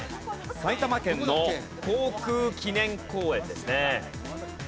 埼玉県の航空記念公園ですね。